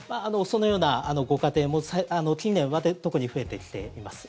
そのようなご家庭も近年は特に増えてきています。